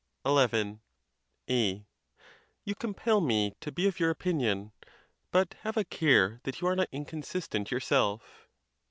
XI. A. You compel me to be of your opinion; but have a care that you are not inconsistent yourself.